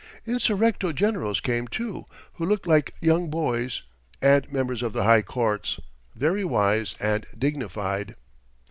Insurrecto generals came, too, who looked like young boys, and members of the high courts, very wise and dignified.